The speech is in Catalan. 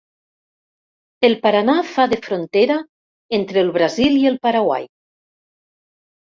El Paranà fa de frontera entre el Brasil i el Paraguai.